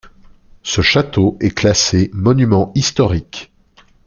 Ce château est classé monument historique.